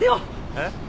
えっ？